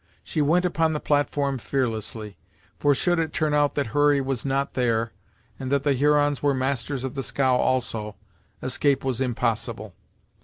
She went upon the platform fearlessly, for should it turn out that Hurry was not there, and that the Hurons were masters of the scow also, escape was impossible.